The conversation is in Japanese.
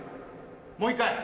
もう１回。